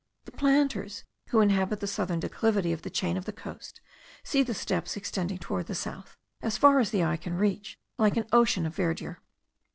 The planters who inhabit the southern declivity of the chain of the coast see the steppes extend towards the south, as far as the eye can reach, like an ocean of verdure.